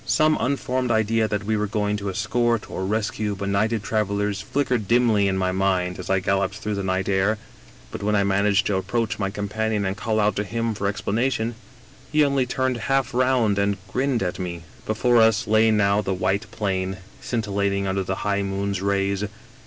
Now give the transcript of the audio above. " Some unformed idea that we were going to escort, or rescue, benighted travelers flickered dimly in my mind as I galloped through the night air; but when I managed to approach my companion and called out to him for ex planation, he only turned half round and grinned at me. " Before us lay now the white plain, scintillating under the high moon's rays.